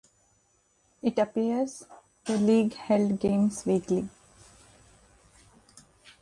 It appears the league held games weekly.